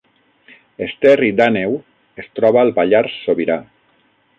Esterri d’Àneu es troba al Pallars Sobirà